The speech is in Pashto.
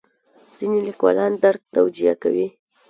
ځینې لیکوالان درد توجیه کوي.